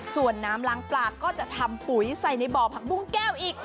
ส่วนน้ำล้างปลาก็จะทำปุ๋ยใส่ในบ่อผักบุ้งแก้วอีก